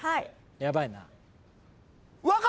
ヤバいな。